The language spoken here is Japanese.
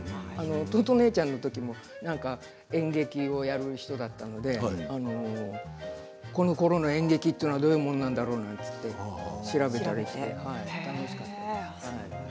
「とと姉ちゃん」の時も演劇をやる人だったのでこのころの演劇というのはどういうものなんだろうって調べたりして楽しかったです。